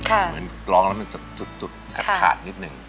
เหมือนร้องแล้วมันจะจุดขาดนิดนึง